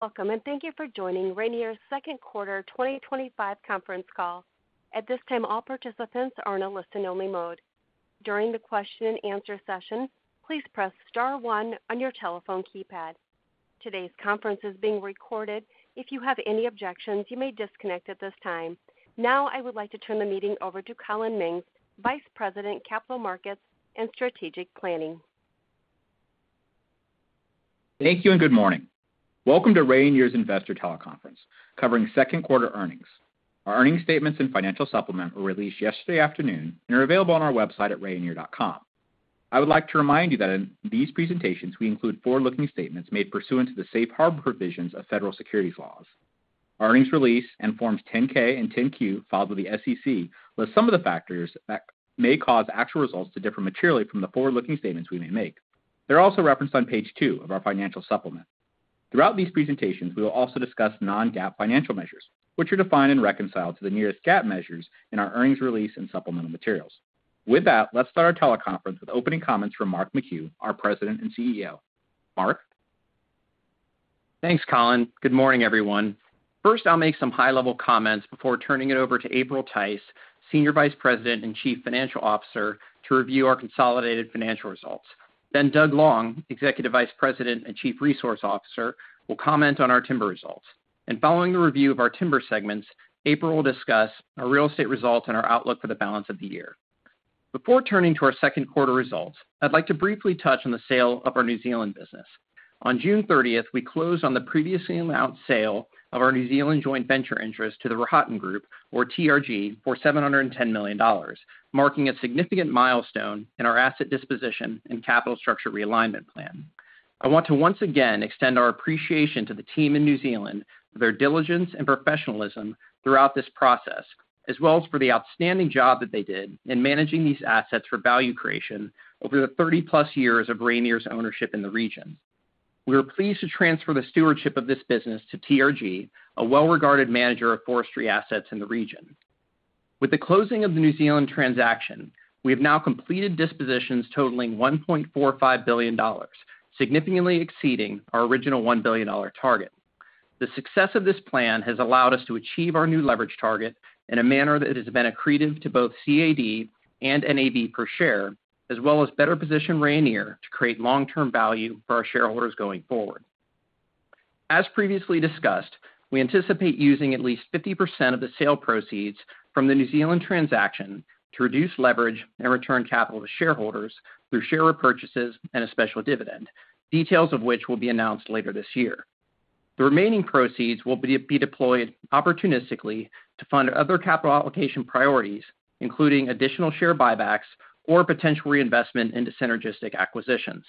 Welcome and thank you for joining Rayonier's Second Quarter 2025 Conference Call. At this time all participants are in a listen only mode. During the question and answer session, please press star star on your telephone keypad. Today's conference is being recorded. If you have any objections, you may disconnect at this time. Now I would like to turn the meeting over to Collin Mings, Vice President, Capital Markets and Strategic Planning. Thank you and good morning. Welcome to Rayonier's investor teleconference covering second quarter earnings. Our earnings statements and financial supplement were released yesterday afternoon and are available on our website at rayonier.com. I would like to remind you that in these presentations we include forward-looking statements made pursuant to the safe harbor provisions of Federal Securities Laws. Earnings release and Forms 10-K and 10-Q filed with the SEC list some of. The factors that may cause actual results. To differ materially from the forward looking statements we may make. They're also referenced on page two of our financial supplement. Throughout these presentations we will also discuss non-GAAP financial measures which are defined and reconciled to the nearest GAAP measures in our earnings release and supplemental materials. With that, let's start our teleconference with opening comments from Mark McHugh, our President and CEO. Mark, Thanks Collin. Good morning everyone. First I'll make some high level comments before turning it over to April Tice, Senior Vice President and Chief Financial Officer, to review our consolidated financial results. Then Doug Long, Executive Vice President and Chief Resource Officer, will comment on our timber results and following the review of our timber segments, April will discuss our real estate results and our outlook for the balance of the year. Before turning to our second quarter results, I'd like to briefly touch on the sale of our New Zealand business. On June 30, we closed on the previously announced sale of our New Zealand joint venture interest to The Rohatyn Group, or TRG, for $710 million, marking a significant milestone in our asset disposition and capital structure realignment plan. I want to once again extend our appreciation to the team in New Zealand for their diligence and professionalism throughout this process as well as for the outstanding job that they did in managing these assets for value creation over the 30+ years of Rayonier's ownership in the region. We are pleased to transfer the stewardship of this business to TRG, a well regarded manager of forestry assets in the region. With the closing of the New Zealand transaction, we have now completed dispositions totaling $1.45 billion, significantly exceeding our original $1 billion target. The success of this plan has allowed us to achieve our new leverage target in a manner that has been accretive to both CAD and NAV per share as well as better position Rayonier to create long term value for our shareholders going forward. As previously discussed, we anticipate using at least 50% of the sale proceeds from the New Zealand transaction to reduce leverage and return capital to shareholders through share repurchases and a special dividend, details of which will be announced later this year. The remaining proceeds will be deployed opportunistically to fund other capital allocation priorities, including additional share buybacks or potential reinvestment into synergistic acquisitions.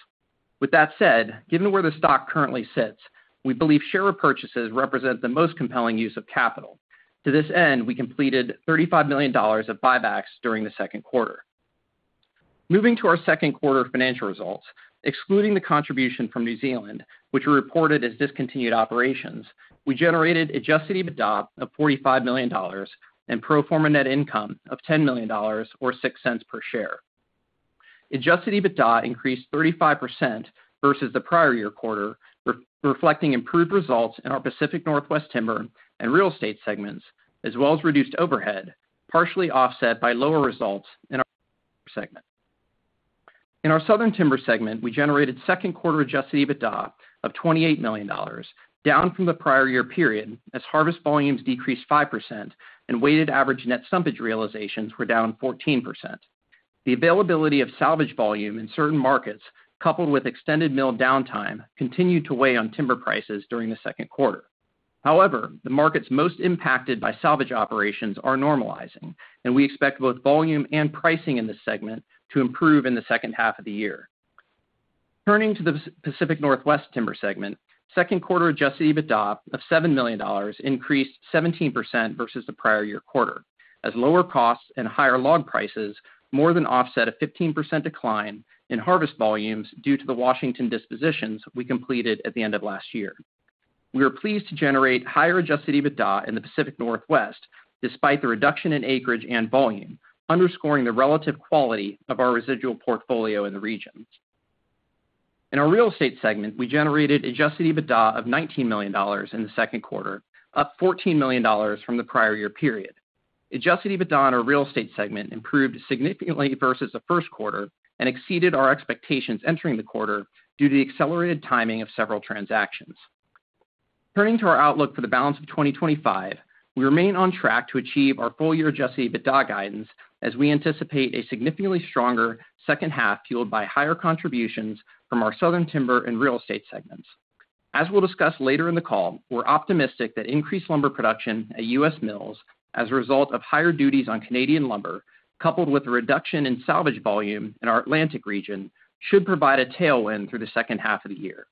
With that said, given where the stock currently sits, we believe share repurchases represent the most compelling use of capital. To this end, we completed $35 million of buybacks during the second quarter. Moving to our second quarter financial results, excluding the contribution from New Zealand which we reported as discontinued operations, we generated adjusted EBITDA of $45 million and pro forma net income of $10 million or $0.06 per share. Adjusted EBITDA increased 35% versus the prior year quarter, reflecting improved results in our Pacific Northwest Timber and Real Estate segments as well as reduced overhead, partially offset by lower results in our Southern Timber segment. In our Southern Timber segment, we generated second quarter adjusted EBITDA of $28 million, down from the prior year period as harvest volumes decreased 5% and weighted average net stumpage realizations were down 14%. The availability of salvage volume in certain markets, coupled with extended mill downtime, continued to weigh on timber prices during the second quarter. However, the markets most impacted by salvage operations are normalizing, and we expect both volume and pricing in this segment to improve in the second half of the year. Turning to the Pacific Northwest Timber segment, second quarter adjusted EBITDA of $7 million increased 17% versus the prior year quarter as lower costs and higher log prices more than offset a 15% decline in harvest volumes. Due to the Washington dispositions we completed at the end of last year, we are pleased to generate higher adjusted EBITDA in the Pacific Northwest despite the reduction in acreage and volume, underscoring the relative quality of our residual portfolio in the region. In our Real Estate segment, we generated adjusted EBITDA of $19 million in the second quarter, up $14 million from the prior year period. Adjusted EBITDA in our Real Estate segment improved significantly versus the first quarter and exceeded our expectations entering the quarter due to the accelerated timing of several transactions. Turning to our outlook for the balance of 2025, we remain on track to achieve our full year adjusted EBITDA guidance as we anticipate a significantly stronger second half fueled by higher contributions from our Southern Timber and Real Estate segments. As we'll discuss later in the call, we're optimistic that increased lumber production at U.S. mills as a result of higher duties on Canadian lumber, coupled with a reduction in salvage volume in our Atlantic region, should provide a tailwind through the second half of the year.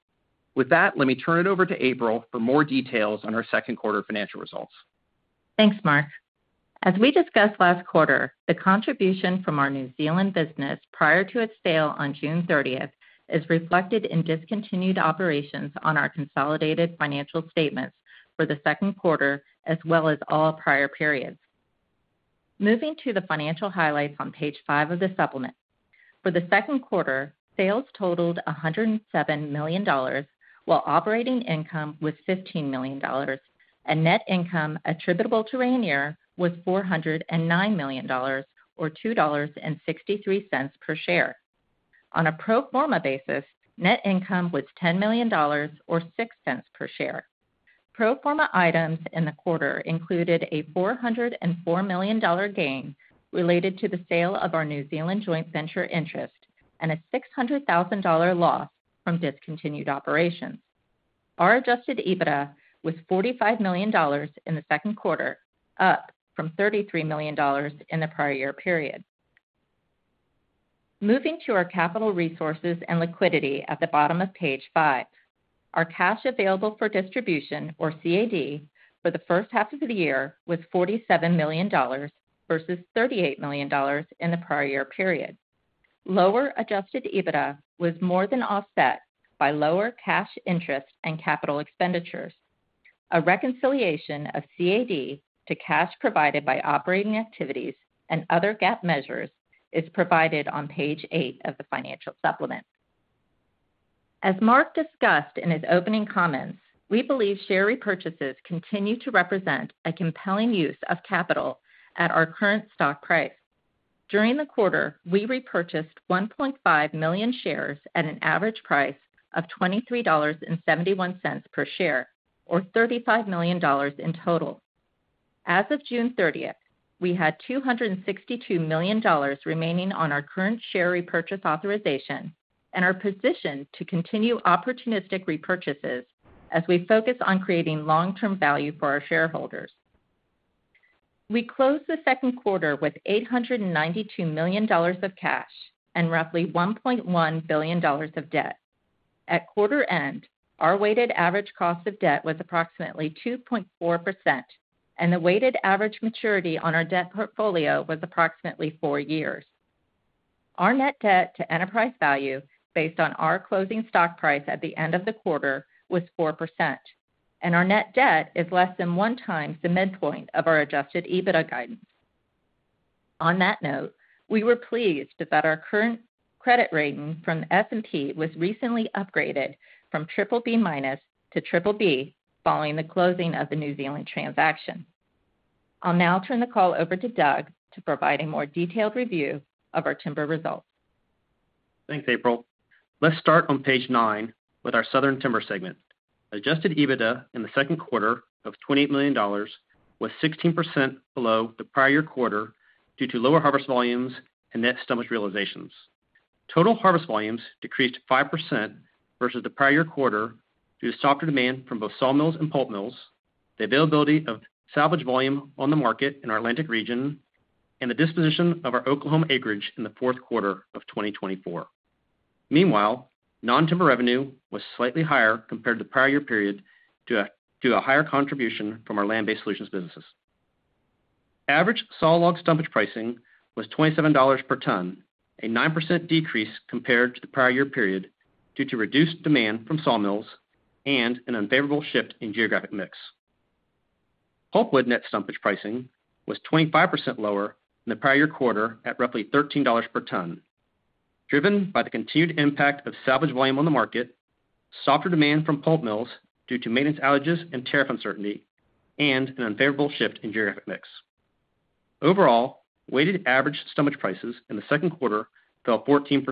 With that, let me turn it over to April for more details on our second quarter financial results. Thanks, Mark. As we discussed last quarter, the contribution from our New Zealand business prior to its sale on June 30th is reflected in discontinued operations on our Consolidated Financial Statement for the second quarter as well as all prior periods. Moving to the financial highlights on page five of the supplement, for the second quarter, sales totaled $107 million while operating income was $15 million and net income attributable to Rayonier was $409 million, or $2.63 per share. On a pro forma basis, net income was $10 million, or $0.06 per share. Pro forma items in the quarter included a $404 million gain related to the sale of our New Zealand joint venture interest and a $600,000 loss from discontinued operations. Our adjusted EBITDA was $45 million in the second quarter, up from $33 million in the prior year period. Moving to our capital resources and liquidity at the bottom of page five, our cash available for distribution or CAD for the first half of the year was $47 million versus $38 million in the prior year period. Lower adjusted EBITDA was more than offset by lower cash interest and capital expenditures. A reconciliation of CAD to cash provided by operating activities and other GAAP measures is provided on page eight of the Financial Supplement. As Mark discussed in his opening comments, we believe share repurchases continue to represent a compelling use of capital at our current stock price. During the quarter, we repurchased 1.5 million shares at an average price of $23.71 per share, or $35 million in total. As of June 30th, we had $262 million remaining on our current share repurchase authorization and are positioned to continue opportunistic repurchases as we focus on creating long-term value for our shareholders. We closed the second quarter with $892 million of cash and roughly $1.1 billion of debt. At quarter end, our weighted average cost of debt was approximately 2.4% and the weighted average maturity on our debt portfolio was approximately four years. Our net debt to enterprise value based on our closing stock price at the end of the quarter was 4% and our net debt is less than 1x the midpoint of our adjusted EBITDA guidance. On that note, we were pleased that our current credit rating from S&P was recently upgraded from BBB- to BBB following the closing of the New Zealand transaction. I'll now turn the call over to Doug to provide a more detailed review of our timber results. Thanks, April. Let's start on Page nine with our Southern Timber segment. Adjusted EBITDA in the second quarter of $28 million was 16% below the prior year quarter due to lower harvest volumes and net stumpage realizations. Total harvest volumes decreased 5% versus the prior year quarter due to softer demand from both sawmills and pulp mills, the availability of salvage volume on the market in our Atlantic region, and the disposition of our Oklahoma acreage in the fourth quarter of 2024. Meanwhile, non-timber revenue was slightly higher compared to the prior year period due to a higher contribution from our land-based solutions businesses. Average sawlog stumpage pricing was $27 per ton, a 9% decrease compared to the prior year. Prior year period due to reduced demand. From sawmills and an unfavorable shift in geographic mix. Pulpwood net stumpage pricing was 25% lower in the prior year quarter at roughly $13 per ton, driven by the continued impact of salvage volume on the market, softer demand from pulp mills due to maintenance outages and tariff uncertainty, and an unfavorable shift in geographic mix. Overall. Weighted average stumpage prices in the second quarter fell 14%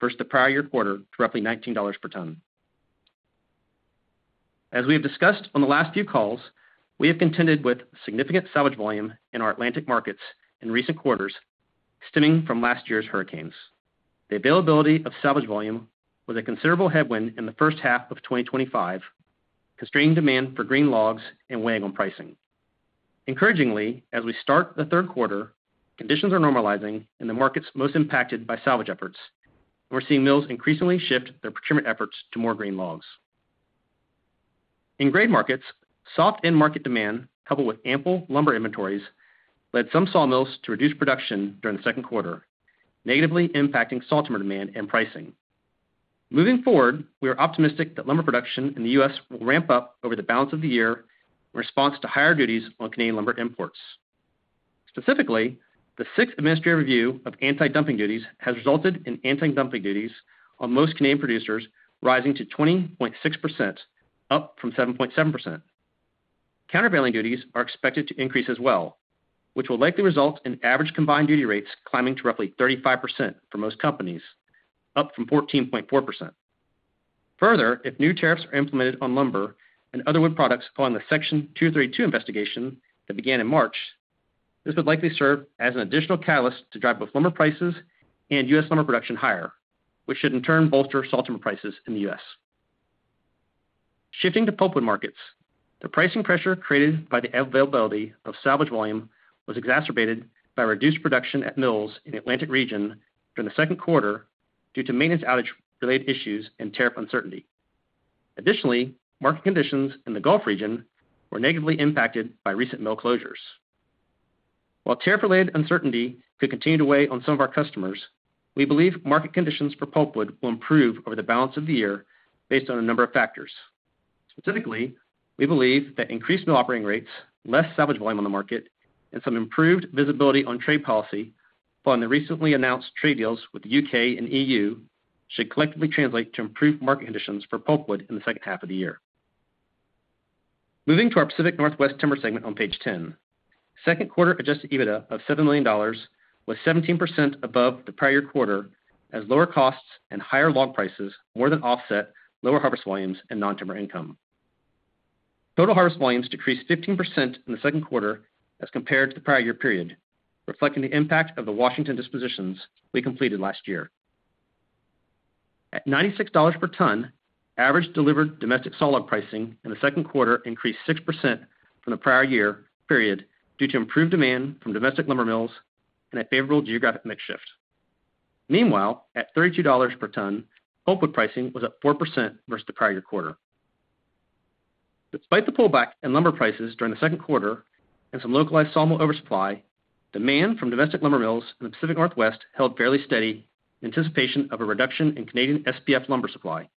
versus the prior year quarter to roughly $19 per ton. As we have discussed on the last few calls, we have contended with significant salvage volume in our Atlantic markets in recent quarters stemming from last year's hurricanes. The availability of salvage volume was a considerable headwind in the first half of 2024, constraining demand for green logs and weighing on pricing. Encouragingly, as we start the third quarter, conditions are normalizing in the markets most impacted by salvage efforts. We're seeing mills increasingly shift their procurement efforts to more green logs in grade markets. Soft end market demand coupled with ample lumber inventories led some sawmills to reduce production during the second quarter, negatively impacting sawtimber demand and pricing. Moving forward, we are optimistic that lumber production in the U.S. will ramp up over the balance of the year in response to higher duties on Canadian lumber imports. Specifically, the sixth administrative review of anti-dumping duties has resulted in anti-dumping duties on most Canadian producers rising to 20.6%, up from 7.7%. Countervailing duties are expected to increase as well, which will likely result in average combined duty rates climbing to roughly 35% for most companies, up from 14.4%. Further, if new tariffs are implemented on lumber and other wood products following the Section 232 investigation that began in March, this would likely serve as an additional catalyst to drive both lumber prices and U.S. lumber production higher, which should in turn bolster sawtimber prices in the region. US. Shifting to pulpwood markets, the pricing pressure created by the availability of salvage volume was exacerbated by reduced production at mills in the Atlantic region during the second quarter due to maintenance outage related issues and tariff uncertainty. Additionally, market conditions in the Gulf region were negatively impacted by recent mill closures. While tariff related uncertainty could continue to weigh on some of our customers, we believe market conditions for pulpwood will improve over the balance of the year based on a number of factors. Specifically, we believe that increased mill operating rates, less salvage volume on the market, and some improved visibility on trade policy following the recently announced trade deals with the U.K. and EU should collectively translate to improved market conditions for pulpwood in the second half of the year. Moving to our Pacific Northwest Timber segment on page 10, second quarter adjusted EBITDA of $7 million was 17% above the prior quarter as lower costs and higher log prices more than offset lower harvest volumes and non-timber income. Total harvest volumes decreased 15% in the second quarter as compared to the prior year period, reflecting the impact of the Washington dispositions we completed last year. At $96 per ton, average delivered domestic sawlog pricing in the second quarter increased 6% from the prior year period due to improved demand from domestic lumber mills and a favorable geographic mix shift. Meanwhile, at $32 per ton, pulpwood pricing was up 4% versus the prior year quarter. Despite the pullback in lumber prices during the second quarter and some localized sawmill oversupply, demand from domestic lumber mills in the Pacific Northwest held fairly steady in anticipation of a reduction in Canadian SPF lumber supply.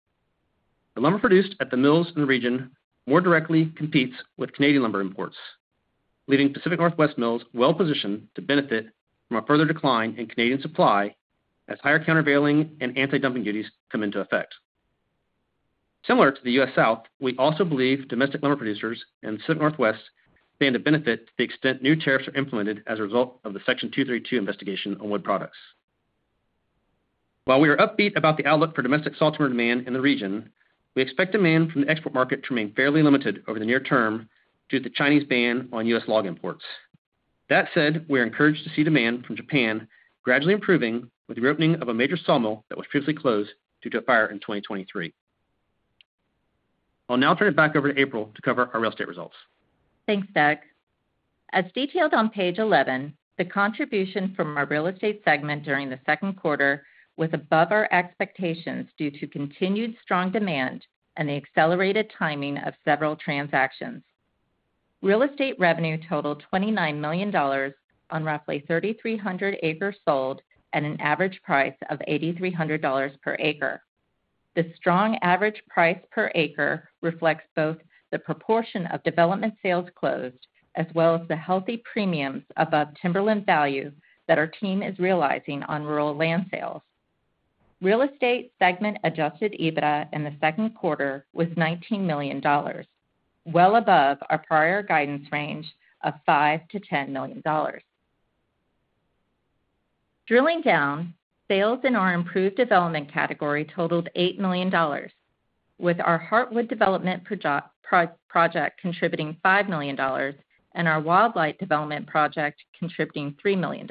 The lumber produced at the mills in. The region more directly competes with Canada. Lumber imports, leaving Pacific Northwest mills well positioned to benefit from a further decline in Canadian supply as higher countervailing and anti-dumping duties come into effect. Similar to the U.S. South, we also believe domestic lumber producers in the Pacific Northwest stand to benefit to the extent new tariffs are implemented as a result of the Section 232 investigation on wood products. While we are upbeat about the outlook. For domestic sawtimber demand in the region, we expect demand from the export market to remain fairly limited over the near term due to the Chinese ban on U.S. log imports. That said, we are encouraged to see demand from Japan gradually improving with the reopening of a major sawmill that was previously closed due to a fire in 2023. I'll now turn it back over to April to cover our real estate results. Thanks, Doug. As detailed on Page 11, the contribution from our Real Estate segment during the second quarter was above our expectations due to continued strong demand and the accelerated timing of several transactions. Real Estate revenue totaled $29 million on roughly 3,300 acres sold at an average price of $8,300 per acre. The strong average price per acre reflects both the proportion of development sales closed as well as the healthy premiums above timberland value that our team is realizing on rural land sales. Real Estate segment adjusted EBITDA in the second quarter was $19 million, well above our prior guidance range of $5 million-$10 million. Drilling down, sales in our improved development category totaled $8 million, with our Heartwood development project contributing $5 million and our Wildlight development project contributing $3 million.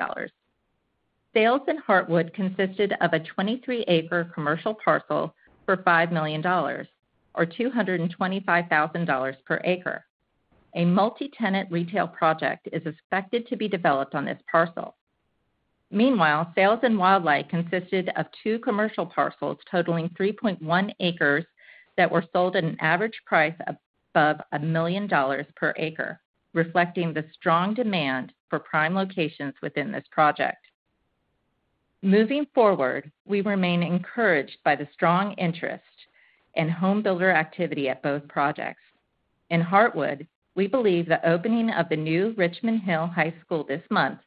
Sales in Heartwood consisted of a 23-acre commercial parcel for $5 million or $225,000 per acre. A multi-tenant retail project is expected to be developed on this parcel. Meanwhile, sales in Wildlight consisted of two commercial parcels totaling 3.1 ac that were sold at an average price above $1 million per ac, reflecting the strong demand for prime locations within this project. Moving forward, we remain encouraged by the strong interest in home builder activity at both projects. In Heartwood, we believe the opening of the new Richmond Hill High School this month,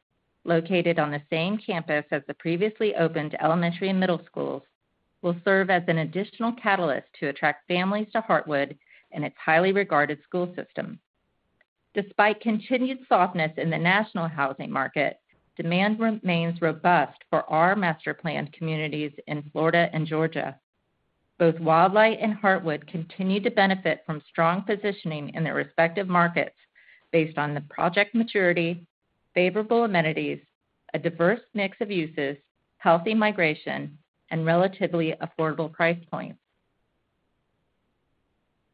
located on the same campus as the previously opened elementary and middle schools, will serve as an additional catalyst to attract families to Heartwood and its highly regarded school system. Despite continued softness in the national housing market, demand remains robust for our master planned communities in Florida and Georgia. Both Wildlight and Heartwood continue to benefit from strong positioning in their respective markets based on the project maturity, favorable amenities, a diverse mix of uses, healthy migration, and relatively affordable price points.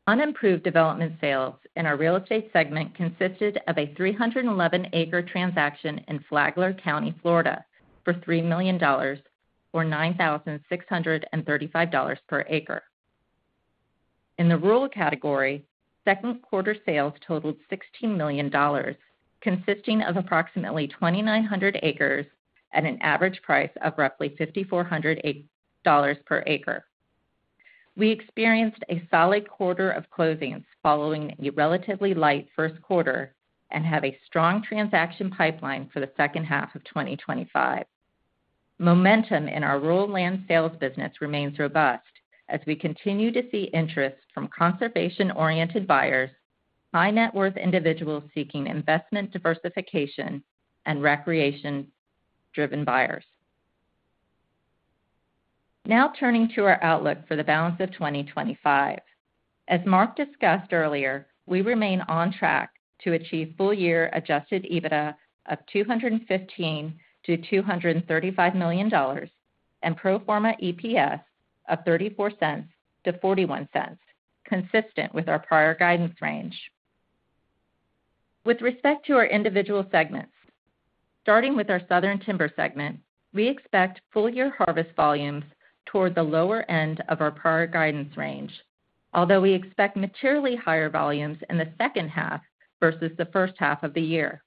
Unimproved development sales in our Real Estate segment consisted of a 311 ac transaction in Flagler County, Florida for $3 million or $9,635 per acre. In the rural category, second quarter sales totaled $16 million, consisting of approximately 2,900 ac at an average price of roughly $5,400 per acre. We experienced a solid quarter of closings following a relatively light first quarter and have a strong transaction pipeline for the second half of 2025. Momentum in our rural land sales business remains robust as we continue to see interest from conservation-oriented buyers, high net worth individuals seeking investment diversification, and recreation-driven buyers. Now turning to our outlook for the balance of 2025, as Mark discussed earlier, we remain on track to achieve full year adjusted EBITDA of $215 million- $235 million and pro forma EPS of $0.34-$0.41, consistent with our prior guidance range. With respect to our individual segments, starting with our Southern Timber segment, we expect full year harvest volumes toward the lower end of our prior guidance range, although we expect materially higher volumes in the second half versus the first half of the year.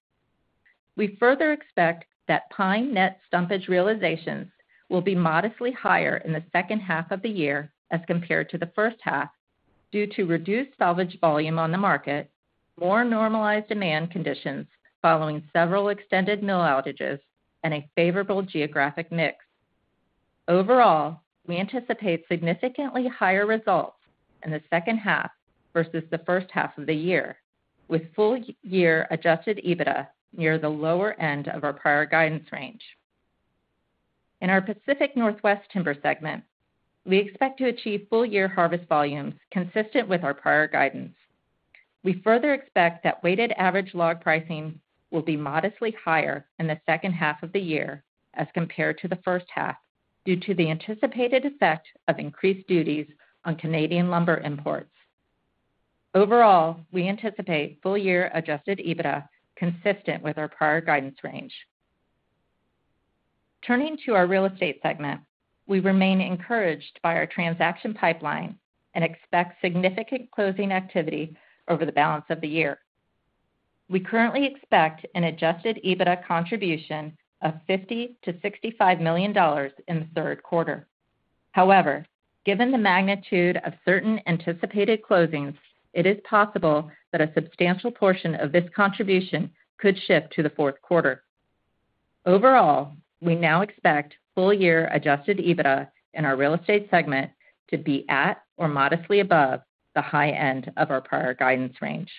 We further expect that pine net stumpage realizations will be modestly higher in the second half of the year as compared to the first half due to reduced salvage volume on the market, more normalized demand conditions following several extended mill outages, and a favorable geographic mix. Overall, we anticipate significantly higher results in the second half versus the first half of the year, with full year adjusted EBITDA near the lower end of our prior guidance range. In our Pacific Northwest Timber segment, we expect to achieve full year harvest volumes consistent with our prior guidance. We further expect that weighted average log pricing will be modestly higher in the second half of the year as compared to the first half due to the anticipated effect of increased duties on Canadian lumber imports. Overall, we anticipate full year adjusted EBITDA consistent with our prior guidance range. Turning to our Real Estate segment, we remain encouraged by our transaction pipeline and expect significant closing activity over the balance of the year. We currently expect an adjusted EBITDA contribution of $50 million-$65 million in the third quarter. However, given the magnitude of certain anticipated closings, it is possible that a substantial portion of this contribution could shift to the fourth quarter. Overall, we now expect full year adjusted EBITDA in our Real Estate segment to be at or modestly above the high end of our prior guidance range,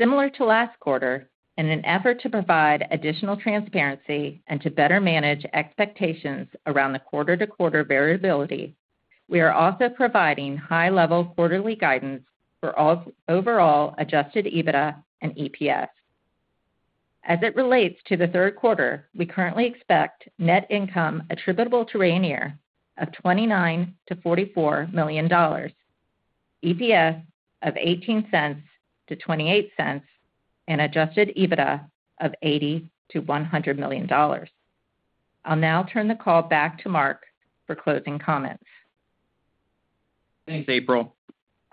similar to last quarter. In an effort to provide additional transparency and to better manage expectations around the quarter-to-quarter variability, we are also providing high-level quarterly guidance for overall adjusted EBITDA and EPS as it relates to the third quarter. We currently expect net income attributable to Rayonier of $29 million-$44 million, EPS of $0.18-$0.28, and adjusted EBITDA of $80 million-$100 million. I'll now turn the call back to Mark for closing comments. Thanks, April.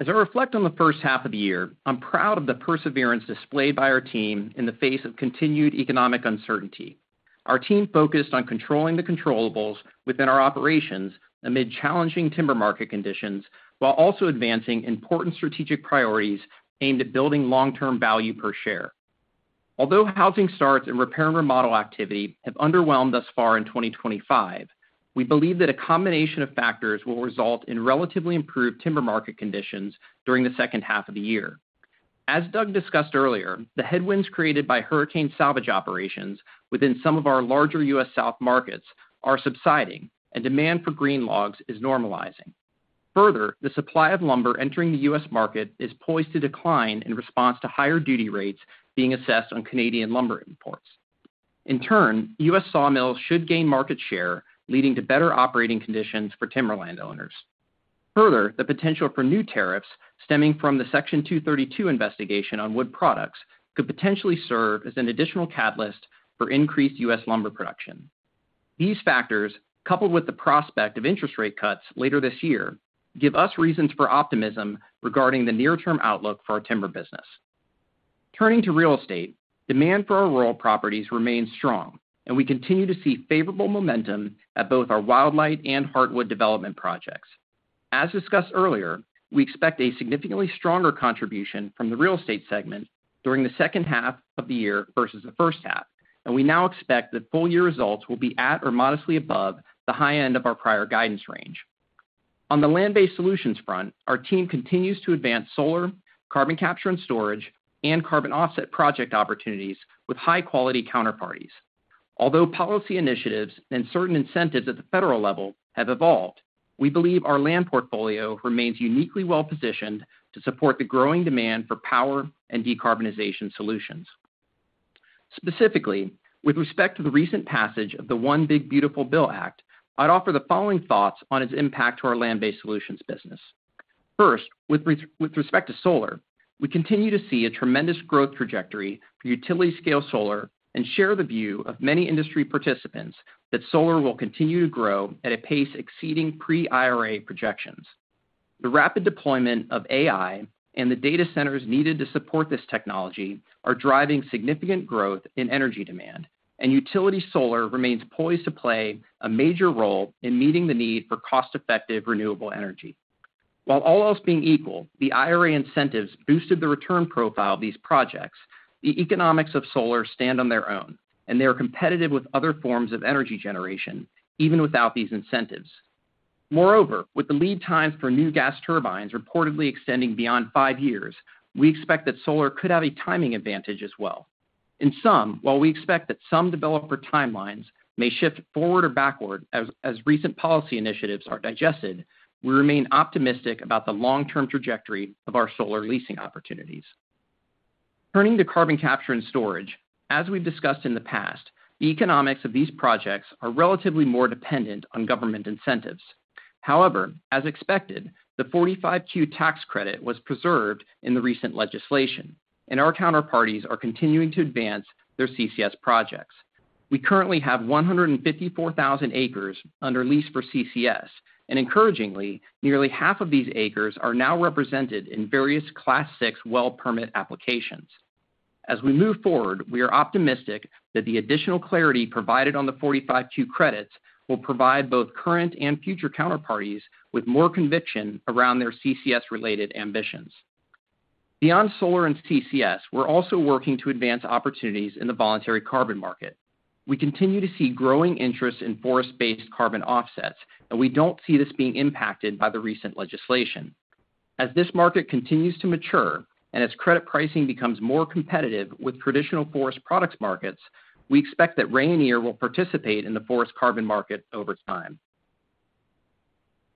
As I reflect on the first half of the year, I'm proud of the perseverance displayed by our team in the face of continued economic uncertainty. Our team focused on controlling the controllables within our operations amid challenging timber market conditions while also advancing important strategic priorities aimed at building long-term value per share. Although housing starts and repair and remodel activity have underwhelmed thus far in 2024, we believe that a combination of factors will result in relatively improved timber market conditions during the second half of the year. As Doug discussed earlier, the headwinds created by hurricane salvage operations within some of our larger U.S. South markets are subsiding and demand for green logs is normalizing. Further, the supply of lumber entering the U.S. market is poised to decline in response to higher duty rates being assessed on Canadian lumber imports. In turn, U.S. sawmills should gain market share, leading to better operating conditions for timberland owners. Further, the potential for new tariffs stemming from the Section 232 investigation on wood products could potentially serve as an additional catalyst for increased U.S. lumber production. These factors, coupled with the prospect of interest rate cuts later this year, give us reasons for optimism regarding the near-term outlook for our timber business. Turning to Real Estate, demand for our rural properties remains strong and we continue to see favorable momentum at both our Wildlight and Heartwood development projects. As discussed earlier, we expect a significantly stronger contribution from the Real Estate segment during the second half of the year versus the first half, and we now expect that full-year results will be at or modestly above the high end of our prior guidance range. On the land-based solutions front, our team continues to advance solar, carbon capture and storage, and carbon offset project opportunities with high-quality counterparties. Although policy initiatives and certain incentives at the federal level have evolved, we believe our land portfolio remains uniquely well positioned to support the growing demand for power and decarbonization solutions. Specifically, with respect to the recent passage of the One Big Beautiful Bill Act, I'd offer the following thoughts on its impact to our land-based solutions business. First, with respect to solar, we continue to see a tremendous growth trajectory for utility scale solar and share the view of many industry participants that solar will continue to grow at a pace exceeding pre-IRA projections. The rapid deployment of AI and the data centers needed to support this technology are driving significant growth in energy demand, and utility solar remains poised to play a major role in meeting the need for cost-effective renewable energy. While all else being equal, the IRA incentives boosted the return profile of these projects, the economics of solar stand on their own, and they are competitive with other forms of energy generation even without these incentives. Moreover, with the lead times for new gas turbines reportedly extending beyond five years, we expect that solar could have a timing advantage as well. In sum, while we expect that some developer timelines may shift forward or backward as recent policy initiatives are digested, we remain optimistic about the long-term trajectory of our solar leasing opportunities. Turning to carbon capture and storage, as we've discussed in the past, the economics of these projects are relatively more dependent on government incentives. However, as expected, the 45Q tax credit was preserved in the recent legislation, and our counterparties are continuing to advance their CCS projects. We currently have 154,000 ac under lease for CCS, and encouragingly, nearly half of these acres are now represented in various Class VI well permit applications. As we move forward, we are optimistic that the additional clarity provided on the 45Q credits will provide both current and future counterparties with more conviction around their CCS-related ambitions. Beyond solar and CCS, we're also working to advance opportunities in the voluntary carbon market. We continue to see growing interest in forest-based carbon offsets, and we don't see this being impacted by the recent legislation. As this market continues to mature and its credit pricing becomes more competitive with traditional forest products markets, we expect that Rayonier will participate in the forest carbon market over time.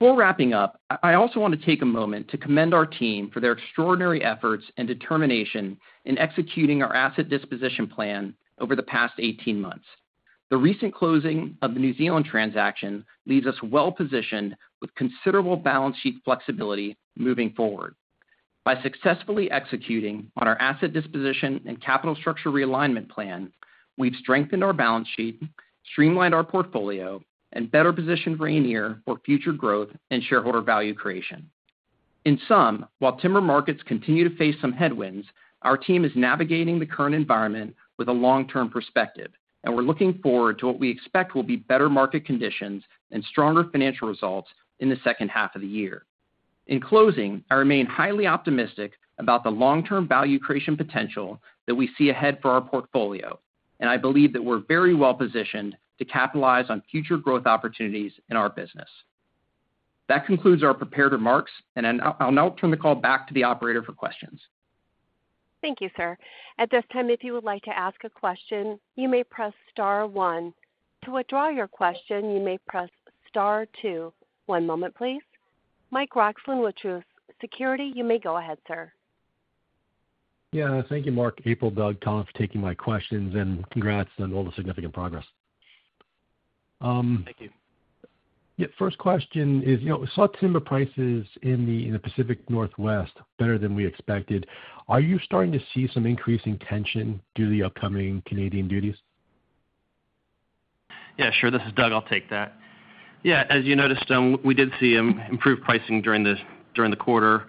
Before wrapping up, I also want to take a moment to commend our team for their extraordinary efforts and determination in executing our Asset Disposition Plan over the past 18 months. The recent closing of the New Zealand transaction leaves us well positioned with considerable balance sheet flexibility moving forward. By successfully executing on our Asset Disposition and Capital Structure Realignment Plan, we've strengthened our balance sheet, streamlined our portfolio, and better positioned Rayonier for future growth and shareholder value creation. In sum, while timber markets continue to face some headwinds, our team is navigating the current environment with a long term perspective, and we're looking forward to what we expect will be better market conditions and stronger financial results in the second half of the year. In closing, I remain highly optimistic about the long term value creation potential that we see ahead for our portfolio, and I believe that we're very well positioned to capitalize on future growth opportunities in our business. That concludes our prepared remarks, and I'll now turn the call back to the operator for questions. Thank you, sir. At this time, if you would like to ask a question, you may press star one. To withdraw your question, you may press star two. One moment, please. Michael Roxland with Truist Securities, you may go ahead, sir. Yeah, thank you. Mark, April, Doug, Collin, thanks for taking my questions and congrats on all the significant progress. Thank you. First question is, you know, sawtimber prices in the Pacific Northwest better than we expected. Are you starting to see some increasing tension due to the upcoming Canadian duties? Yeah, sure. This is Doug. I'll take that. Yeah. As you noticed, we did see improved pricing during the quarter.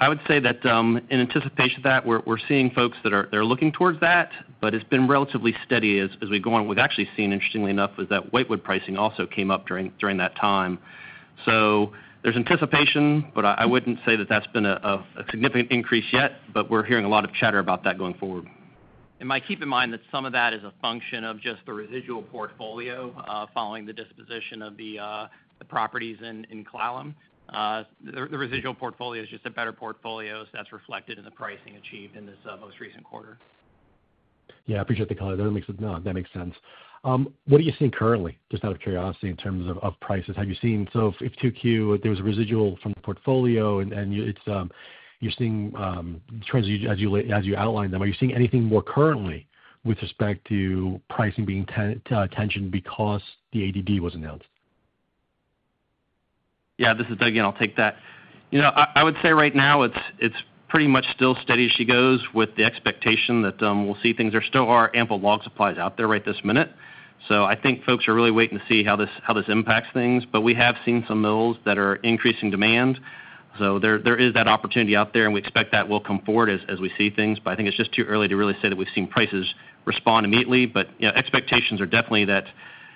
I would say that in anticipation of that, we're seeing folks that are looking towards that, but it's been relatively steady as we go on. We've actually seen, interestingly enough, that whitewood pricing also came up during that time. There's anticipation, but I wouldn't say that that's been a significant increase yet. We're hearing a lot of chatter about that going forward. Mike, keep in mind that some of that is a function of just the residual portfolio following the disposition of the properties in Clallam. The residual portfolio is just a better portfolio. That is reflected in the pricing achieved in this most recent quarter. Yeah, I appreciate the color, that makes sense. What are you seeing currently, just out of curiosity, in terms of prices? Have you seen, if 2Q there's a residual from the portfolio and you're seeing trends as you outline them, are you seeing anything more currently with respect to pricing being tensioned because the ADD was announced? Yeah, this is Doug. Yeah, I'll take that. You know, I would say right now it's pretty much still steady as she goes with the expectation that we'll see things. There still are ample log supplies out there right this minute. I think folks are really waiting to see how this impacts things. We have seen some mills that are increasing demand, so there is that opportunity out there and we expect that will come forward as we see things. I think it's just too early to really say that we've seen prices respond immediately. Expectations are definitely that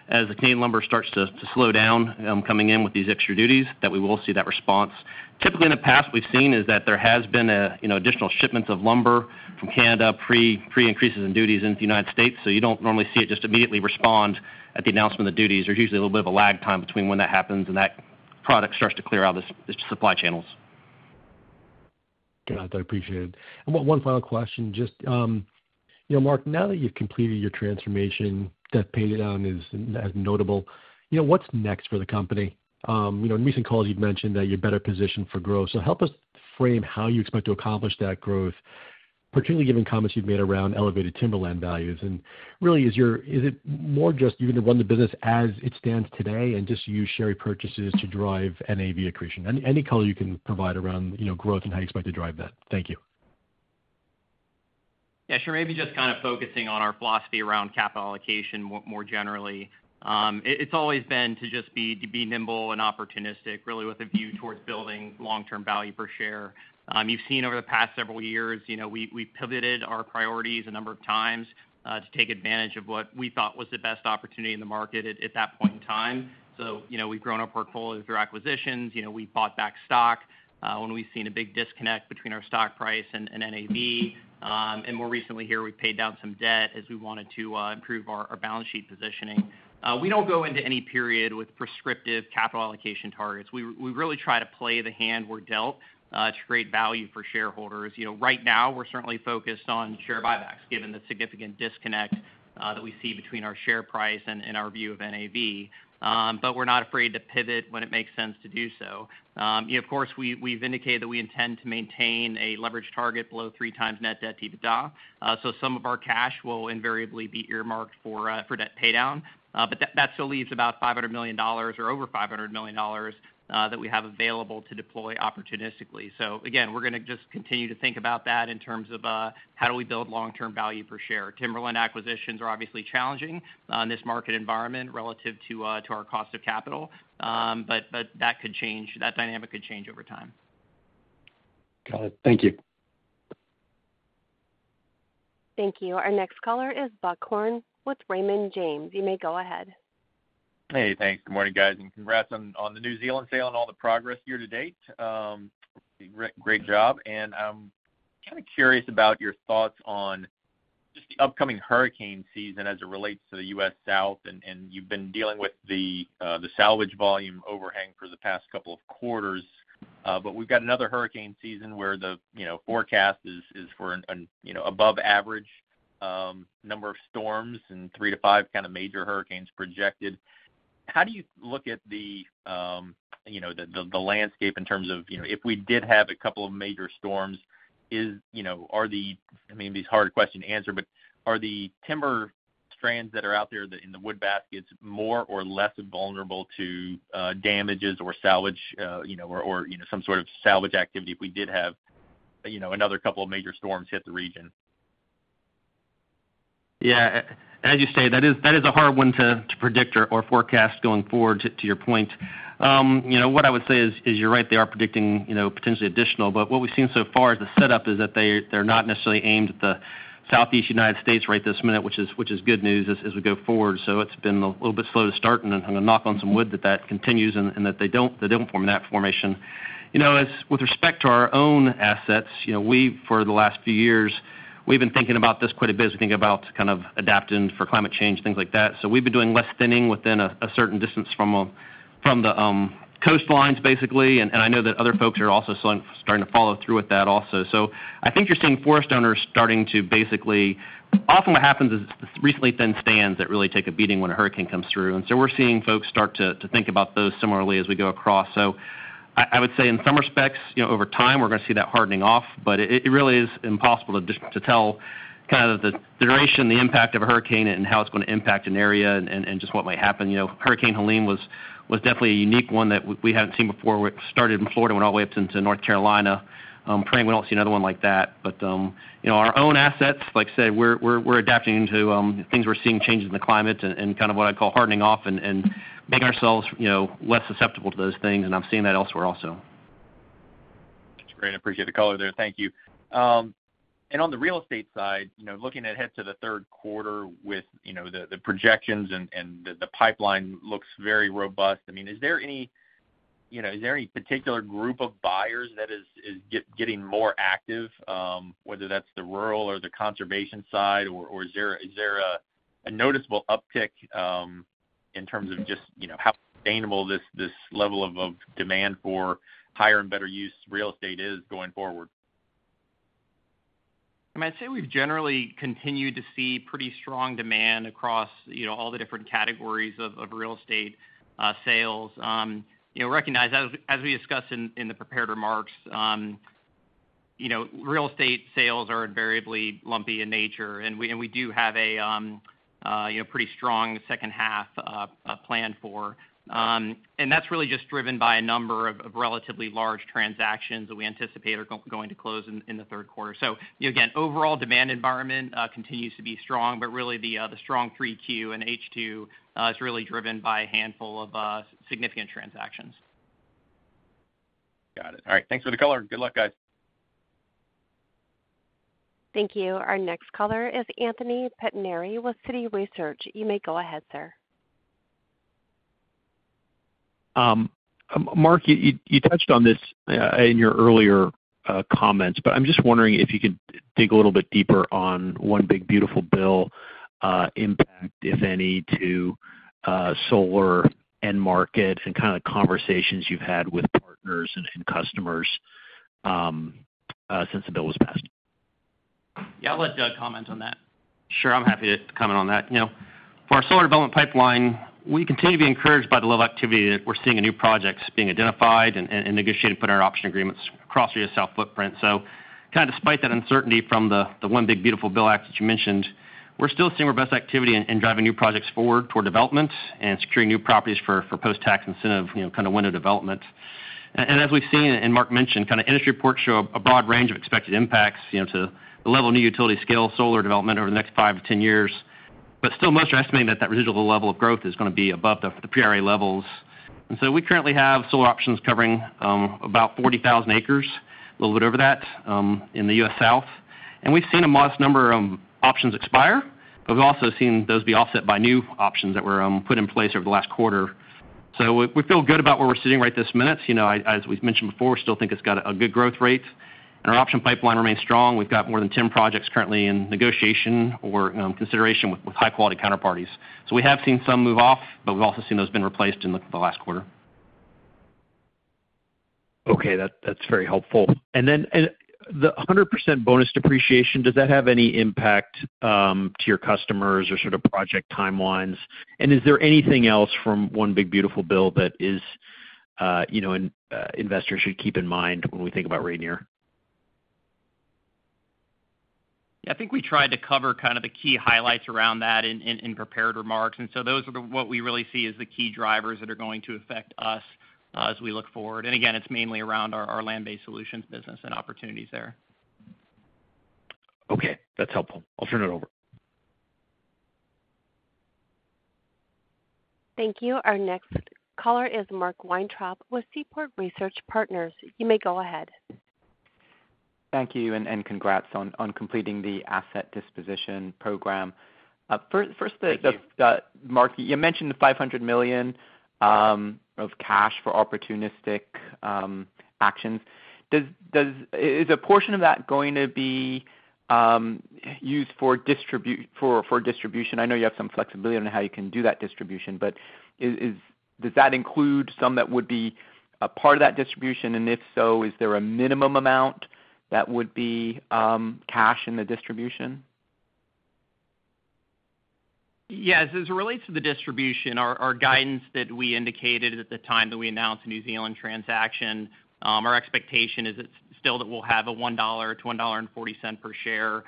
as the Canadian lumber starts to slow down, coming in with these extra duties, we will see that response. Typically in the past, we've seen that there have been additional shipments of lumber from Canada pre-increases in duties in the United States. You don't normally see it just immediately respond at the announcement of duties. There's usually a little bit of a lag time between when that happens and that product starts to clear out the supply channels. I appreciate it. One final question. Mark, now that you've completed your transformation, debt pay down is notable. What's next for the company? In recent calls, you'd mentioned that you're better positioned for growth. Help us frame how you expect to accomplish that growth, particularly given comments you've made around elevated timberland values. Is it more just you're going to run the business as it stands today and just use share repurchases to drive net asset value accretion? Any color you can provide around growth and how you expect to drive that. Thank you. Yeah, sure. Maybe just kind of focusing on our philosophy around capital allocation more generally. It's always been to just be nimble and opportunistic really, with a view towards building long term value per share. You've seen over the past several years, you know, we pivoted our priorities a number of times to take advantage of what we thought was the best opportunity in the market at that point in time. We've grown our portfolio through acquisitions. We bought back stock when we've seen a big disconnect between our stock price and NAV. More recently here we've paid down some debt as we wanted to improve our balance sheet positioning. We don't go into any period with prescriptive capital allocation targets. We really try to play the hand we're dealt to create value for shareholders. Right now we're certainly focused on share buybacks given the significant disconnect that we see between our share price and our view of NAV. We're not afraid to pivot when it makes sense to do so. Of course, we've indicated that we intend to maintain a leverage target below 3x net debt to EBITDA. Some of our cash will invariably be earmarked for debt pay down. That still leaves about $500 million or over $500 million that we have available to deploy opportunistically. Again, we're going to just continue to think about that in terms of how do we build long term value per share. Timberland acquisitions are obviously challenging in this market environment relative to our cost of capital. That dynamic could change over time. Thank you. Thank you. Our next caller is Buck Horne with Raymond James & Associates. You may go ahead. Hey, thanks. Good morning, guys, and congrats on the New Zealand sale and all the progress year to date. Great job. I'm kind of curious about your thoughts on just the upcoming hurricane season as it relates to the U.S. South. You've been dealing with the salvage volume overhang for the past couple of quarters. We've got another hurricane season where the forecast is for above average number of storms and three to five kind of major hurricanes projected. How do you look at the landscape in terms of if we did have a couple of major storms, are the hard question to answer, but are the timber strands that are out there in the wood baskets more or less vulnerable to damages or salvage or some sort of salvage activity? If we did have another couple of major storms hit the region. yeah, as you say, that is a hard one to predict or forecast going forward. To your point, what I would say is, you're right, they are predicting potentially additional. What we've seen so far is the setup is that they're not necessarily aimed at the Southeast United States right this minute, which is good news as we go forward. It's been a little bit slow to start and knock on some wood that that continues and that they don't form that formation. With respect to our own assets, for the last few years, we've been thinking about this quite a bit as we think about kind of adapting for climate change, things like that. We've been doing less thinning within a certain distance from the coastlines, basically. I know that other folks are also starting to follow through with that also. I think you're seeing forest owners starting to basically, often what happens is recently thin stands that really take a beating when a hurricane comes through. We're seeing folks start to think about those similarly as we go across. I would say in some respects, over time, we're going to see that hardening off, but it really is impossible to tell kind of the duration, the impact of a hurricane and how it's going to impact an area and just what might happen. Hurricane Helene was definitely a unique one that we hadn't seen before. Started in Florida, went all the way up into North Carolina, praying we don't see another one like that. Our own assets, like I said, we're adapting to things. We're seeing changes in the climate and kind of what I call hardening off and making ourselves less susceptible to those things. I'm seeing that elsewhere also. That's great. I appreciate the color there. Thank you. On the real estate side, looking ahead to the third quarter with the projections and the pipeline looks very robust. Is there any particular group of buyers that is getting more active, whether that's the rural or the conservation side, or is there a noticeable uptick in terms of just how sustainable this level of demand for higher and better use real estate is going forward? I'd say we've generally continued to see pretty strong demand across all the different categories of real estate sales. Recognize, as we discussed in the prepared remarks, real estate sales are invariably lumpy in nature, and we do have a pretty strong second half planned for, and that's really just driven by a number of relatively large transactions that we anticipate are going to close in the third quarter. Overall demand environment continues to be strong, but really the strong 3Q and H2 is really driven by a handful of significant transactions. Got it. All right, thanks for the color. Good luck, guys. Thank you. Our next caller is Anthony Pettinari with Citigroup. You may go ahead, sir. Mark, you touched on this in your earlier comments, but I'm just wondering if you could think a little bit deeper on One Big Beautiful Bill impact, if any, to solar and market and kind of conversations you've had with partners and customers since the bill was passed. Yeah, I'll let Doug comment on that. Sure, I'm happy to comment on that. For our solar development pipeline, we continue to be encouraged by the level of activity that we're seeing in new projects being identified and negotiated, put in our option agreements across our South footprint. Kind of despite that uncertainty from the One Big Beautiful Bill Act that you mentioned, we're still seeing robust activity in driving new projects forward toward development and securing new properties for post-tax incentive kind of window development. As we've seen and Mark mentioned, industry reports show a broad range of expected impacts to the level of new utility-scale solar development over the next five to ten years. Still, most are estimating that that residual level of growth is going to be above the PRA levels. We currently have solar options covering about 40,000 acr, a little bit over that in the U.S. South. We've seen a modest number of options expire, but we've also seen those be offset by new options that were put in place over the last quarter. We feel good about where we're sitting right this minute. As we mentioned before, still think it's got a good growth rate and our option pipeline remains strong. We've got more than 10 projects currently in negotiation or consideration with high-quality counterparties. We have seen some move off, but we've also seen those been replaced in the last quarter. Okay, that's very helpful. The 100% bonus depreciation, does that have any impact to your customers or sort of project timelines, and is there anything else from One Big Beautiful Bill that investors should keep in mind when we think about Rayonier? Yeah, I think we tried to cover the key highlights around that in prepared remarks. Those are what we really see as the key drivers that are going to affect us as we look forward. It's mainly around our land based solutions business and opportunities there. Okay, that's helpful. I'll turn it over. Thank you. Our next caller is Mark Weintraub with Seaport Research Partners. You may go ahead. Thank you. Congratulations on completing the asset disposition program. First, Mark, you mentioned $500 million of cash for opportunistic actions. Is a portion of that going to? Be. Used for distribution? I know you have some flexibility on how you can do that distribution, but does that include some that would be a part of that distribution? If so, is there a minimum amount that would be cash in the distribution? Yes, as it relates to the distribution, our guidance that we indicated at the time that we announced the New Zealand transaction, our expectation is still that we'll have a $1-$1.40 per share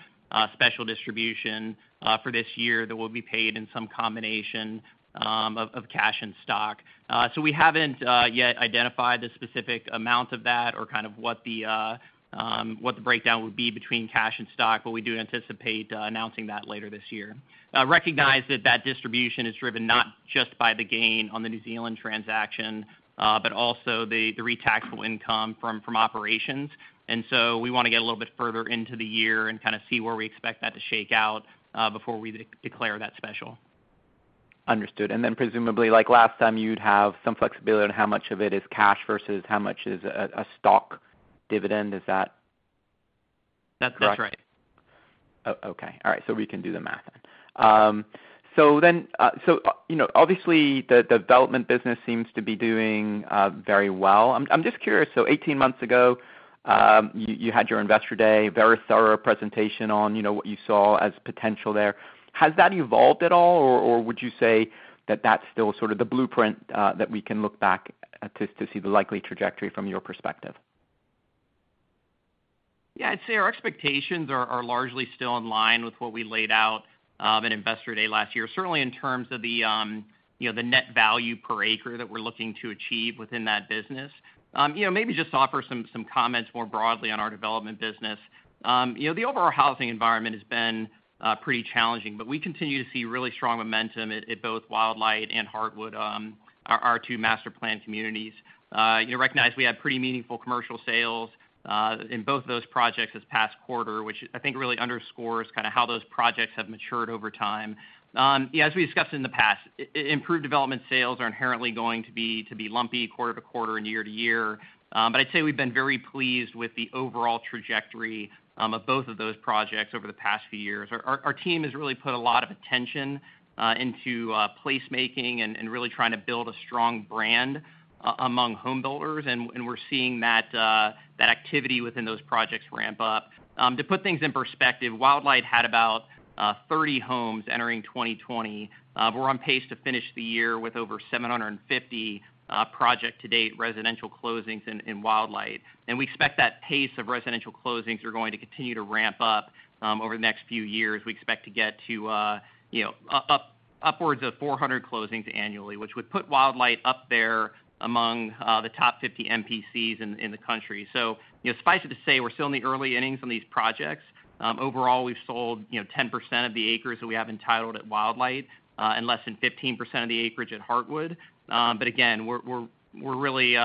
special distribution for this year that will be paid in some combination of cash and stock. We haven't yet identified the specific amount of that or what the breakdown would be between cash and stock, but we do anticipate announcing that later this year. Recognize that the distribution is driven not just by the gain on the New Zealand transaction, but also the taxable income from operations. We want to get a little bit further into the year and see where we expect that to shake out before we declare that special. Understood. Presumably, like last time, you'd have some flexibility on how much of it is cash versus how much is a stock dividend. That's right. All right. We can do the math. Obviously, the development business seems to be doing very well. I'm just curious, 18 months ago you had your investor day, a very thorough presentation on what you saw as potential there. Has that evolved at all or would you say that that's still sort of the blueprint that we can look back to see the likely trajectory from your perspective? I'd say our expectations are largely still in line with what we laid out at investor day last year, certainly in terms of the net value per acre that we're looking to achieve within that business. Maybe just offer some comments more broadly on our development business. The overall housing environment has been pretty challenging, but we continue to see really strong momentum at both Wildlight and Heartwood, our two master plan communities. Recognize we had pretty meaningful commercial sales in both of those projects this past quarter, which I think really underscores how those projects have matured over time. As we discussed in the past, improved development sales are inherently going to be lumpy quarter to quarter and year to year. I'd say we've been very pleased with the overall trajectory of both of those projects over the past few years. Our team has really put a lot of attention into place making and really trying to build a strong brand among home builders. We're seeing that activity within those projects ramp up. To put things in perspective, Wildlight had about 30 homes entering 2020. We're on pace to finish the year with over 750 project-to-date residential closings in Wildlight. We expect that pace of residential closings is going to continue to ramp up over the next few years. We expect to get to, you know, upwards of 400 closings annually, which would put Wildlight up there among the top 50 MPCs in the country. Suffice it to say, we're still in the early innings on these projects. Overall, we've sold, you know, 10% of the acres that we have entitled at Wildlight and less than 15% of the acreage at Heartwood. Again, we're really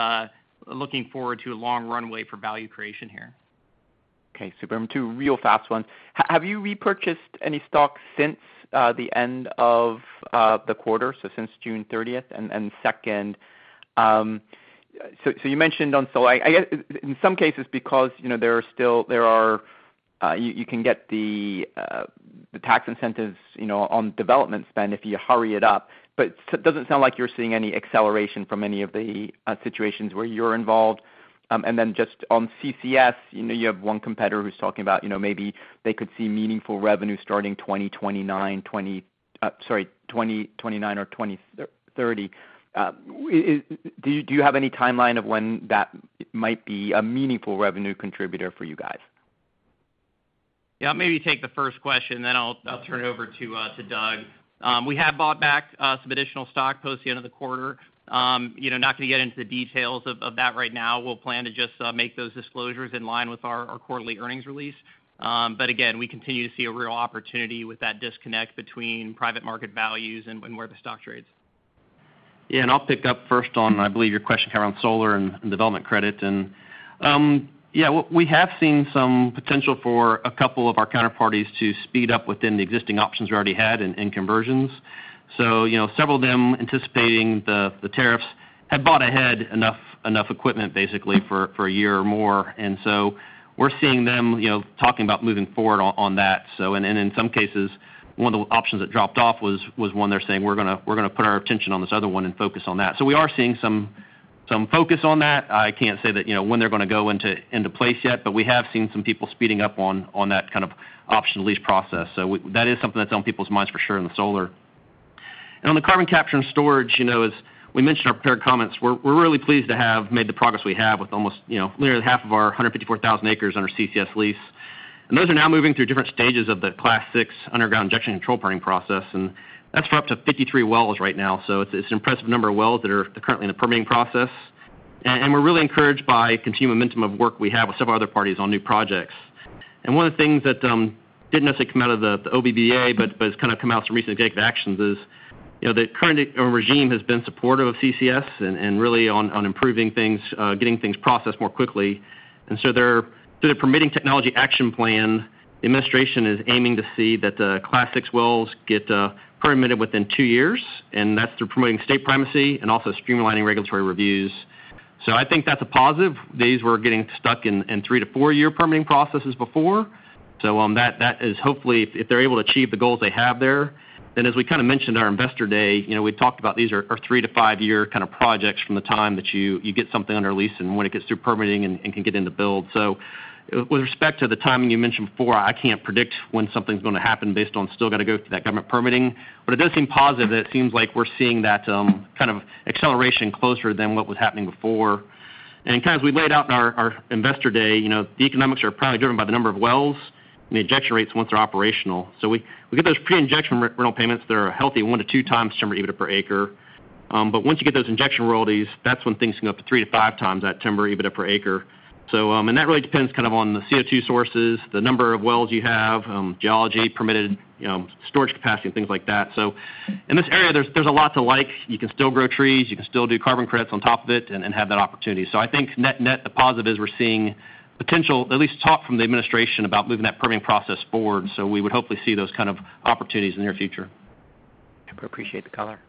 looking forward to a long runway for value creation here. Okay, sub two real fast ones. Have you repurchased any stock since the end of the quarter? Since June 30th and second, you mentioned on. In some cases, because, you know, there are still. There are. You can get the tax incentives on development spend if. You hurry it up, but it doesn't. Sound like you're seeing any acceleration from any of the situations where you're involved. On CCS, you have one competitor who's talking about maybe they could see meaningful revenue starting 2029, 2029 or 2030. Do you have any timeline of when that might be a meaningful revenue contributor for you guys? Maybe take the first question, then I'll turn it over to Doug. We have bought back some additional stock post the end of the quarter. Not going to get into the details of that right now. We'll plan to just make those disclosures in line with our quarterly earnings release. We continue to see a real opportunity with that disconnect between private market values and where the stock trades. Yeah, I'll pick up first on, I believe your question came around solar and development credit. We have seen some potential for a couple of our counterparties to speed up within the existing options we already had in conversions. Several of them, anticipating the tariffs, have bought ahead enough equipment basically for a year or more. We're seeing them talking about moving forward on that. In some cases, one of the options that dropped off was one they're saying they're going to put their attention on this other one and focus on that. We are seeing some focus on that. I can't say that you know when they're going to go into place yet, but we have seen some people speeding up on that kind of option lease process. That is something that's on people's minds for sure in the solar and on the carbon capture and storage. As we mentioned in our prepared comments, we're really pleased to have made the progress we have with almost, you know, nearly half of our 154,000 ac on our CCS lease. Those are now moving through different stages of the Class 6 underground injection control permitting process. That's for up to 53 wells right now. It's an impressive number of wells that are currently in the permitting process. We're really encouraged by continued momentum of work we have with several other parties on new projects. One of the things that didn't necessarily come out of the OBA, but it's kind of come out of some recent executive actions is, you know, the current regime has been supportive of CCS and really on improving things, getting things processed more quickly. Their permitting technology action plan, the administration is aiming to see that Class 6 wells get permitted within two years. That's through promoting state primacy and also streamlining regulatory reviews. I think that's a positive. These were getting stuck in three to four year permitting processes before. That is hopefully if they're able to achieve the goals they have there. As we kind of mentioned at our investor day, we talked about these are three to five year kind of projects from the time that you get something under lease and when it gets through permitting and can get in the build. With respect to the timing you mentioned before, I can't predict when something's going to happen based on still got to go through that government permitting. It does seem positive that it seems like we're seeing that kind of acceleration closer than what was happening before. As we laid out in our investor day, you know, the economics are probably driven by the number of wells and the injection rates once they're operational. We get those pre-injection rental payments, they're a healthy 1x-2x timber EBITDA per acre. Once you get those injection royalties, that's when things can go up to 3x-5x that timber EBITDA per acre. That really depends on the CO2 sources, the number of wells you have, geology permitted, storage capacity, and things like that. In this area, there's a lot to like. You can still grow trees, you can still do carbon credits on top of it and have that opportunity. I think net, net, the positive is we're seeing potential, at least talk from the administration about moving that permitting process forward. We would hopefully see those kind of opportunities in your future. Appreciate the color.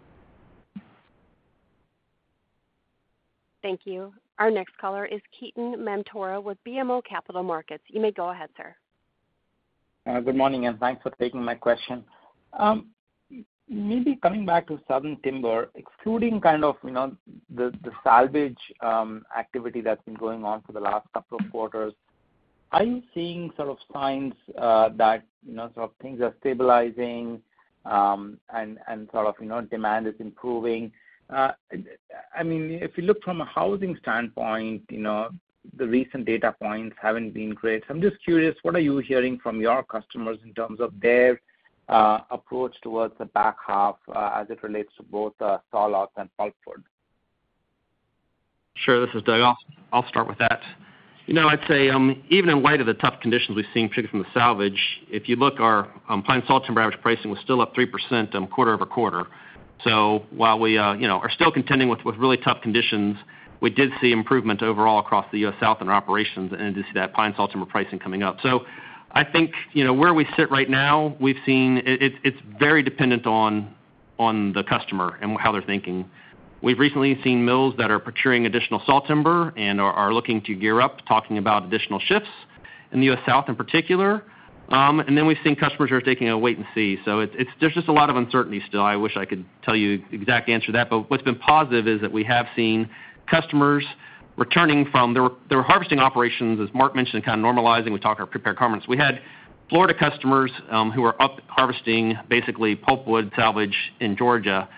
Thank you. Our next caller is Ketan Mamtora with BMO Capital Markets. You may go ahead, sir. Good morning and thanks for taking my question. Maybe coming back to Southern Timber, excluding the salvage activity that's been going on for the last couple of quarters, are you seeing signs that things are stabilizing and demand is improving? I mean, if you look from a housing standpoint, the recent data points haven't been great. I'm just curious, what are you hearing from your customers in terms of their approach towards the back half as it relates to both sawlog and pulpwood? Sure. This is Doug. I'll start with that. I'd say even in light of the tough conditions we've seen picking from the salvage, if you look, our pine sawtimber average pricing was still up 3% quarter over quarter. While we are still contending with really tough conditions, we did see improvement overall across the U.S. South in our operations and to see that pine sawtimber pricing coming up. I think where we sit right now, we've seen it's very dependent on the customer and how they're thinking. We've recently seen mills that are procuring additional sawtimber and are looking to gear up, talking about additional shifts in the U.S. South in particular. We've seen customers are taking a wait and see. There's just a lot of uncertainty still. I wish I could tell you the exact answer to that, but what's been positive is that we have seen customers returning from their harvesting operations, as Mark mentioned, kind of normalizing. We talked our prepared carbons. We had Florida customers who are up harvesting basically pulpwood salvage in Georgia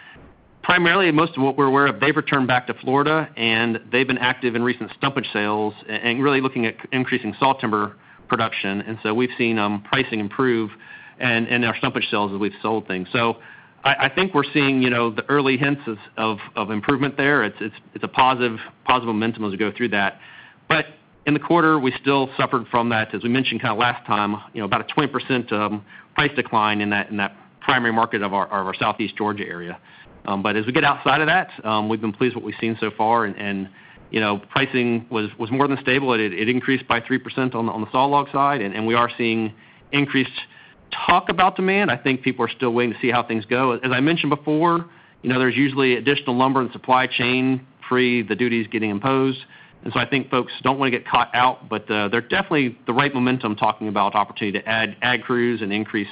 primarily. Most of what we're aware of, they've returned back to Florida and they've been active in recent stumpage sales and really looking at increasing sawtimber production. We've seen pricing improve and our stumpage sales as we've sold things. I think we're seeing the early hints of improvement there. It's a positive momentum as we go through that. In the quarter we still suffered from that as we mentioned last time, about a 20% price decline in that primary market of our southeast Georgia area. As we get outside of that, we've been pleased. What we've seen so far, pricing was more than stable. It increased by 3% on the sawlog side. We are seeing increased talk about demand. I think people are still waiting to see how things go. As I mentioned before, there's usually additional lumber in the supply chain free the duties getting imposed. I think folks don't want to get caught out but they're definitely the right momentum talking about opportunity to add ag crews and increase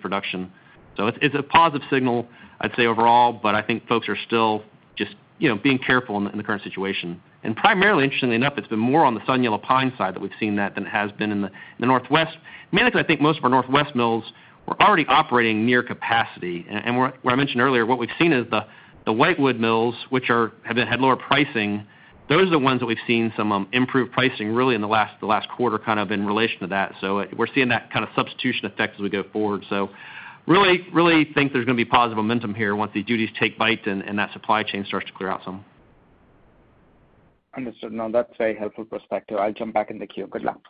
production. It's a positive signal, I'd say overall. I think folks are still just being careful in the current situation. Primarily, interestingly enough, it's been more on the southern yellow pine side that we've seen that than it has been in the northwest. I think most of our northwest mills were already operating near capacity. What I mentioned earlier, what we've seen is the white wood mills which have had lower pricing. Those are the ones that we've seen some improved pricing really in the last quarter, kind of in relation to that. We're seeing that kind of substitution effect as we go forward. I really think there's going to be positive momentum here once these duties take bite and that supply chain starts to clear out some. Understood. Now that's a helpful perspective. I'll jump back in the queue. Good luck.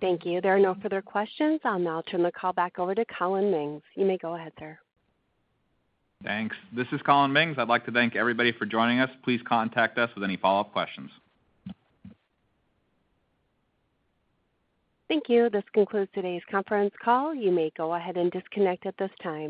Thank you. There are no further questions. I'll now turn the call back over to Collin Mings. You may go ahead, sir. Thanks. This is Collin Mings. I'd like to thank everybody for joining us. Please contact us with any follow up questions. Thank you. This concludes today's conference call. You may go ahead and disconnect at this time.